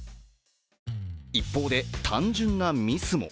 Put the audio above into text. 一方で、単純なミスも。